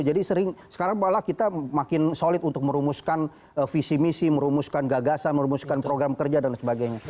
jadi sekarang malah kita makin solid untuk merumuskan visi misi merumuskan gagasan merumuskan program kerja dan sebagainya